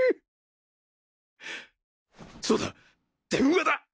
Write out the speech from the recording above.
そうだ電話だ！